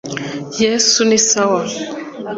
Yesu ni sawa"